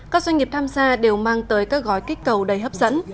các doanh nghiệp tham gia đều mang tới các gói kích cầu đầy hấp dẫn